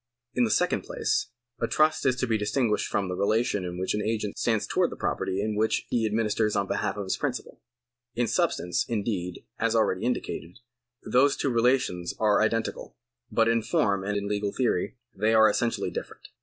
In the second jjlace, a trust is to be distinguished from the relation in which an agent stands towards the property which he administers on behalf of his principal. In substance, indeed, as already indicated, these two relations are identical, but in form and in legal theory they are essentially different.